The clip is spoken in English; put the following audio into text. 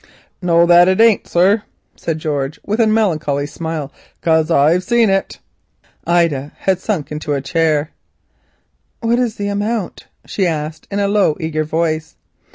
"No, that it ain't, sir," said George with a melancholy smile, "cos I've seen it." Ida had sunk into a chair. "What is the amount?" she asked in a low eager voice.